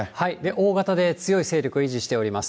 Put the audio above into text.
大型で強い勢力を維持しております。